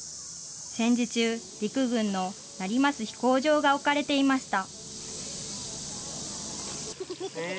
戦時中、陸軍の成増飛行場が置かれていました。